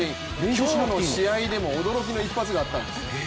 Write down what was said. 今日の試合でも驚きの一発があったんです。